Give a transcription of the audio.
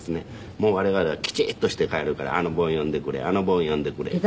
もう我々はきちっとして帰るから「あのぼん呼んでくれあのぼん呼んでくれ」って。